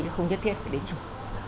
chứ không nhất thiết phải đến chùa